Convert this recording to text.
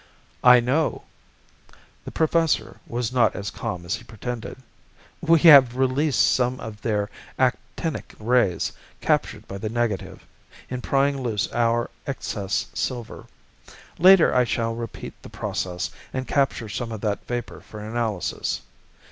"I know." The professor was not as calm as he pretended. "We have released some of their actinic rays captured by the negative, in prying loose our excess silver. Later I shall repeat the process and capture some of that vapor for analysis.